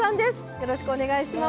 よろしくお願いします。